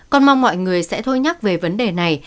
con mong mọi người sẽ thôi nhắc về vấn đề này